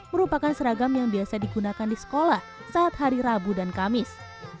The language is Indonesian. merupakan seragam yang biasa digunakan di sekolah saat hari rabu dan kamis